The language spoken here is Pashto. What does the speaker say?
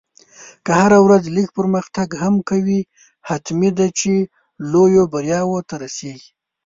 که هره ورځ لږ پرمختګ هم کوې، حتمي ده چې لویو بریاوو ته رسېږې.